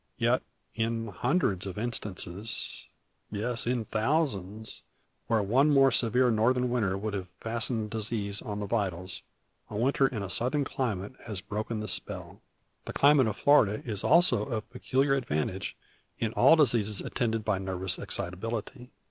Yet, in hundreds of instances, yes, in thousands, where one more severe Northern winter would have fastened disease on the vitals, a winter in a Southern climate has broken the spell. The climate of Florida is also of peculiar advantage in all diseases attended by nervous excitability.